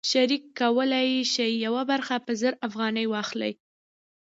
شریک کولی شي یوه برخه په زر افغانۍ واخلي